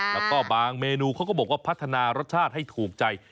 แล้วก็บางเมนูเขาก็บอกว่าพัฒนารสชาติให้ถูกใจ